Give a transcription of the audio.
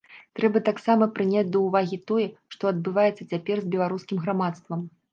Трэба таксама прыняць да ўвагі тое, што адбываецца цяпер з беларускім грамадствам.